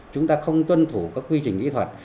chúng ta không tuân thủ các quy trình kỹ thuật